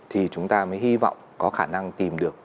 thì chúng ta mới hy vọng có khả năng tìm được